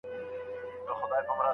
د انتظار دې پر پدره شي لعنت شېرينې